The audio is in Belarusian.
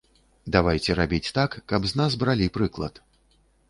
Давайце рабіць так, каб з нас бралі прыклад.